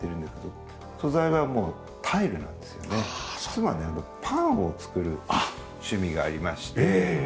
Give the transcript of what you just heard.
妻ねパンを作る趣味がありまして。